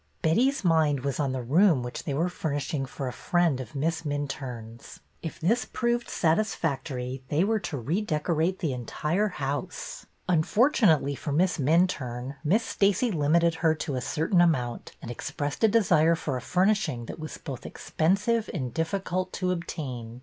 Betty's mind was on the room which they were furnishing for a friend of Miss Minturne's. If this proved satisfactory they were to redecorate 286 BETTY BAIRD'S VENTURES the entire house. Unfortunately for Miss Min turne, Miss Stacey limited her to a certain amount, and expressed a desire for a furnishing that was both expensive and difficult to obtain.